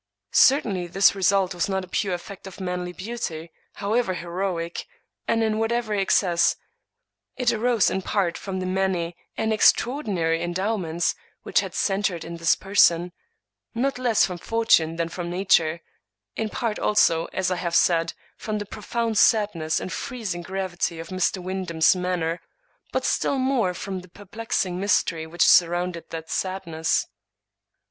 Certainly this result was not a pure effect of manly beauty, however heroic, and in whatever excess ; it arose in part from the many and extraordinary endow ments which had centered in his person, not less from for tune than from nature; in part also, as I have said, from the profound sadness and freezing gravity of Mr. Wynd ham's manner ; but still more from the perplexing mystery which surrounded that sadness.